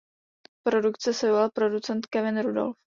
Produkce se ujal producent Kevin Rudolf.